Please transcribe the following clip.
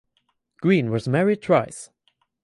Green was married twice.